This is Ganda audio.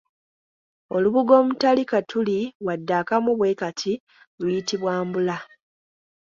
Olubugo omutali katuli wadde akamu bwe kati luyitibwa mbula.